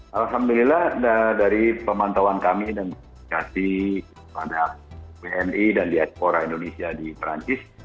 alhamdulillah dari pemantauan kami dan komunikasi pada wni dan diaspora indonesia di perancis